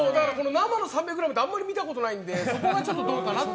生の３００ｇってあまり見たことがないのでそこがどうかなと。